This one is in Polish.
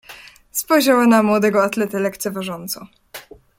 "Spojrzała na młodego atletę lekceważąco."